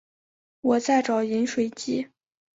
我在找饮水机